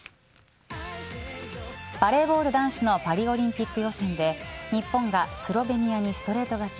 バレーボール男子のパリオリンピック予選で日本がスロベニアにストレート勝ち。